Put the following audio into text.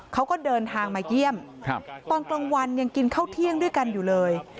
เขาก็เดินทางมาเยี่ยมตอนกลางวันยังกินข้าวเที่ยงด้วยกันอยู่เลย